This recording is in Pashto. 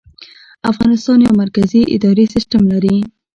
افغانستان یو مرکزي اداري سیستم لري